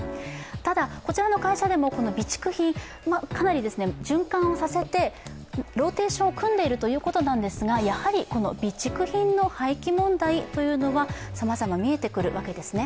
ただこちらの会社でも備蓄品、かなり循環をさせてローテーションを組んでいるということなんですがやはり備蓄品の廃棄問題というのはさまざま見えてくるわけですね。